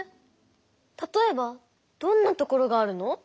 たとえばどんなところがあるの？